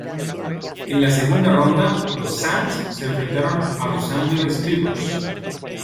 En la segunda ronda, los Suns se enfrentaron a Los Angeles Clippers.